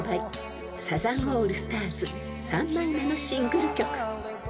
［サザンオールスターズ３枚目のシングル曲］